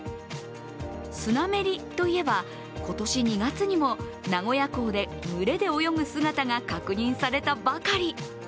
スナメリといえば、今年２月にも名古屋港で群れで泳ぐ姿が確認されたばかり。